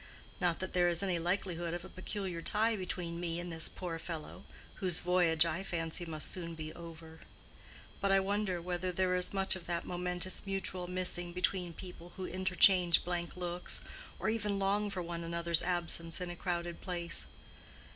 Not that there is any likelihood of a peculiar tie between me and this poor fellow, whose voyage, I fancy, must soon be over. But I wonder whether there is much of that momentous mutual missing between people who interchange blank looks, or even long for one another's absence in a crowded place.